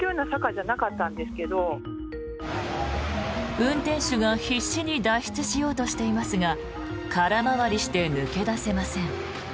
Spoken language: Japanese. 運転手が必死に脱出しようとしていますが空回りして抜け出せません。